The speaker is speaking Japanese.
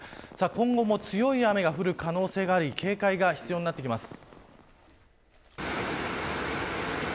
今後も強い雨が降る可能性があり警戒が必要になってきます。